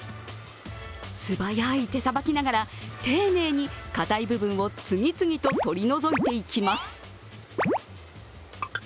素早い手さばきながら丁寧に硬い部分を取り除いていきます。